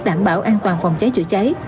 đảm bảo an toàn phòng cháy chữa cháy